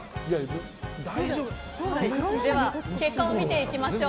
では結果を見ていきましょう。